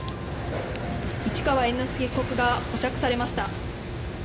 市川猿之助被告が保釈されました。